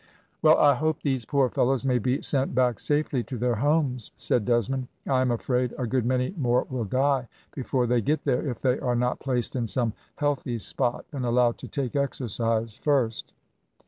"Well, I hope these poor fellows may be sent back safely to their homes," said Desmond. "I am afraid a good many more will die before they get there, if they are not placed in some healthy spot and allowed to take exercise first."